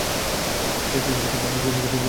কিছু মনে করবেন না।